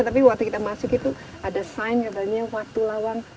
tapi waktu kita masuk itu ada sign yang namanya watu lawang